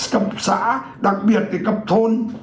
cấp xã đặc biệt thì cấp thôn